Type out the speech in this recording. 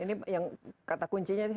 ini yang kata kuncinya di sini